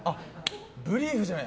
ブリーフじゃない。